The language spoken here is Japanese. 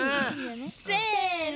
せの！